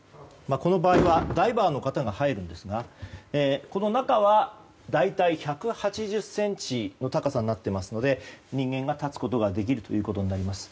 この場合はダイバーの方が入るんですがこの中は大体１８０ｃｍの高さになっていますので人間が立つことができるということになります。